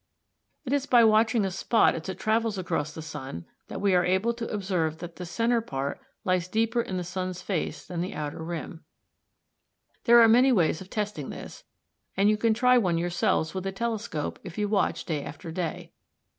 It is by watching a spot as it travels across the sun, that we are able to observe that the centre partlies deeper in the sun's face than the outer rim. There are many ways of testing this, and you can try one yourselves with a telescope if you watch day after day.